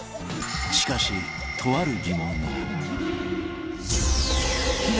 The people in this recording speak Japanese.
しかしとある疑問が